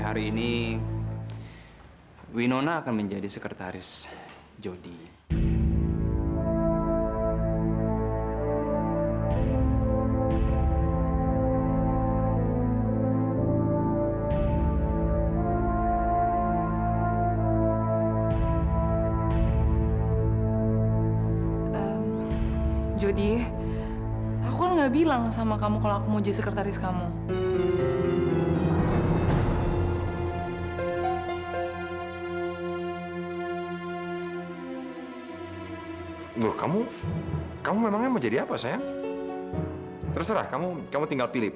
karena kenangan cinta tidak bisa dipaksakan